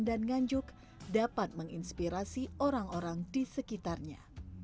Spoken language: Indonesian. dan nganjuk dapat menginspirasi orang orang di sekitarnya